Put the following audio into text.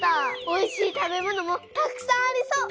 おいしい食べ物もたくさんありそう。